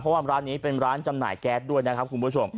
เพราะว่าร้านนี้เป็นร้านจำหน่ายแก๊สด้วยนะครับคุณผู้ชม